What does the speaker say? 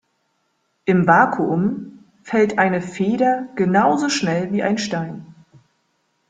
Im Vakuum fällt eine Feder genauso schnell wie ein Stein.